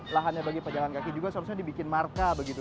lahannya bagi pejalan kaki juga seharusnya dibikin marka begitu